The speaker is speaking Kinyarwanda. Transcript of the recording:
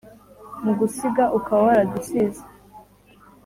mu gusiga ukaba waradusize